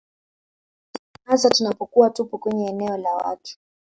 hasa tunapokuwa tupo kwenye eneo la watu